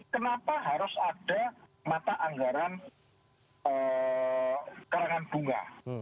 kenapa harus ada mata anggaran karangan bunga